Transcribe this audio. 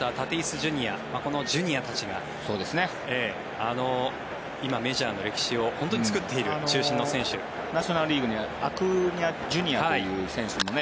Ｊｒ．このジュニアたちが今、メジャーの歴史を本当に作っている中心の選手。ナショナル・リーグにアクーニャＪｒ．という選手も。